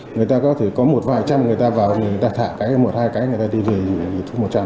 người ta có thể có một vài trăm người ta vào người ta thả cái một hai cái người ta đi về thì thu một trăm linh nữa